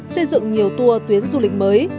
xây dựng nhiều tour tuyến du lịch mới